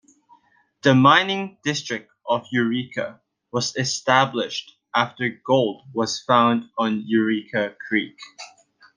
The Mining District of Eureka was established after gold was found on Eureka Creek.